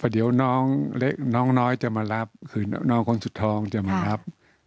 เดี๋ยวน้องเล็กน้องน้อยจะมารับคือน้องคนสุดท้องจะมารับ